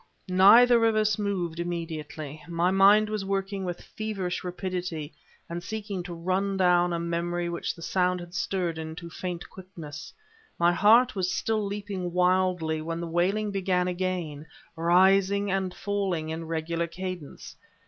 Neither of us moved immediately. My mind was working with feverish rapidity and seeking to run down a memory which the sound had stirred into faint quickness. My heart was still leaping wildly when the wailing began again, rising and falling in regular cadence.